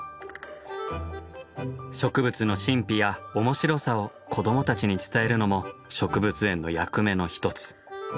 植物の神秘やおもしろさを子どもたちに伝えるのも植物園の役目の一つ。